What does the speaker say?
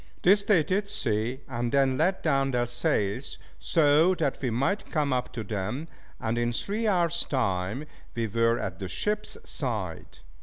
This they did see, and then let down their sails so that we might come up to them, and in three hours time we were at the ship's side.